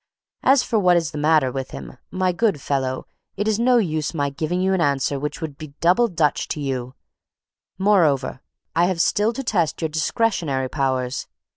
As for what is the matter with him, my good fellow, it is no use my giving you an answer which would be double Dutch to you; moreover, I have still to test your discretionary powers.